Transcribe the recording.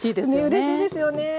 うれしいですよね。